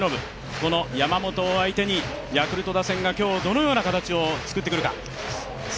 この山本を相手にヤクルト打線が今日どのような形を作ってくるか。